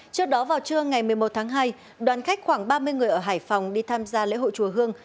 trước đó vào trưa ngày một mươi một tháng hai đoàn khách khoảng ba mươi người ở hải phòng đi tham gia lễ hội chùa hương